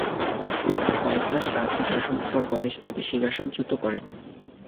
মাত্র কয়েক মাস রাজ্য শাসনের পর গণেশ তাঁকে সিংহাসনচ্যুত করেন।